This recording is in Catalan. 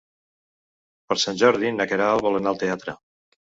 Per Sant Jordi na Queralt vol anar al teatre.